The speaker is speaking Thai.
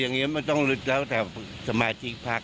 อย่างนี้มันต้องหลุดแล้วแต่สมาชิกพัก